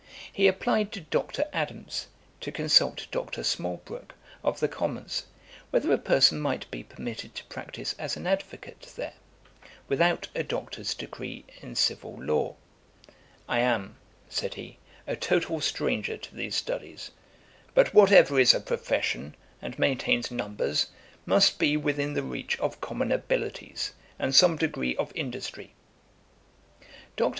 He applied to Dr. Adams, to consult Dr. Smalbroke of the Commons, whether a person might be permitted to practice as an advocate there, without a doctor's degree in Civil Law. 'I am (said he) a total stranger to these studies; but whatever is a profession, and maintains numbers, must be within the reach of common abilities, and some degree of industry.' Dr.